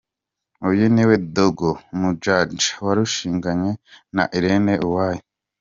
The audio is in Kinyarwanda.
Uyu niwe Dogo Mjanja warushinganye na Irene Uwoya.